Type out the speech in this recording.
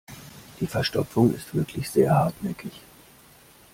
Die Verstopfung ist wirklich sehr hartnäckig.